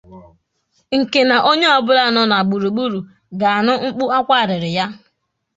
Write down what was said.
nkè na onye ọbụla nọ na gburugburu ga-anụ mkpu ákwá àrịrị ya